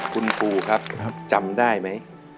คุณครูครับจำได้ไหม